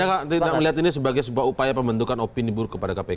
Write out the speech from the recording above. saya tidak melihat ini sebagai sebuah upaya pembentukan opini buruk kepada kpk